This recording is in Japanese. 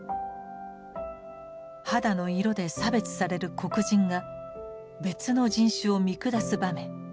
肌の色で差別される黒人が別の人種を見下す場面。